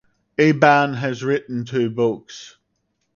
Eban has written two books.